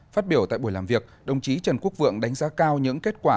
phát biểu tại buổi làm việc đồng chí trần quốc vượng đánh giá cao những kết quả